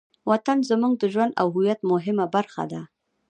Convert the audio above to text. وطن زموږ د ژوند او هویت مهمه برخه ده.